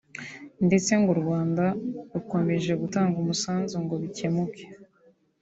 ndetse ngo u Rwanda rukomeje gutanga umusanzu ngo bikemuke